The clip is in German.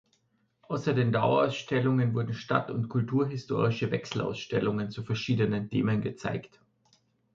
Außer den Dauerausstellungen wurden stadt- und kulturhistorische Wechselausstellungen zu verschiedenen Themen gezeigt.